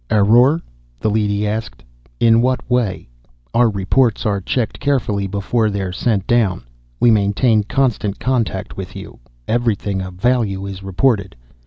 "Error?" the leady asked. "In what way? Our reports are checked carefully before they're sent down. We maintain constant contact with you; everything of value is reported.